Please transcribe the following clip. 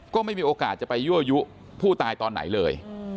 ก็ไม่มีโอกาสจะไปยั่วยุผู้ตายตอนไหนเลย